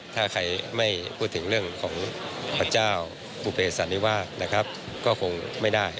ถ้าใครไม่พูดถึงเรื่องของพระเจ้าปุเปสันนิวาสนะครับก็คงไม่ได้